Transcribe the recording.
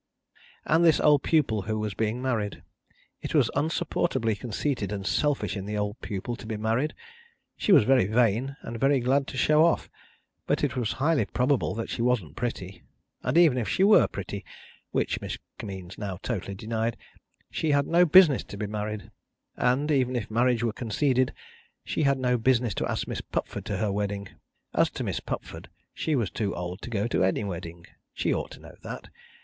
And this old pupil who was being married. It was unsupportably conceited and selfish in the old pupil to be married. She was very vain, and very glad to show off; but it was highly probable that she wasn't pretty; and even if she were pretty (which Miss Kimmeens now totally denied), she had no business to be married; and, even if marriage were conceded, she had no business to ask Miss Pupford to her wedding. As to Miss Pupford, she was too old to go to any wedding. She ought to know that.